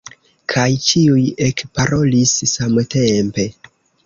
Kaj ĉiuj ekparolis samtempe.